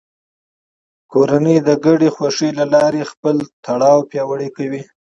کورنۍ د ګډې خوښۍ له لارې خپل تړاو پیاوړی کوي